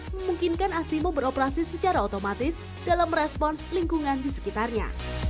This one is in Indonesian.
memungkinkan asimo beroperasi secara otomatis dalam merespons lingkungan di sekitarnya